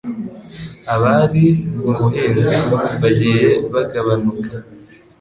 abari mu buhinzi bagiye bagabanuka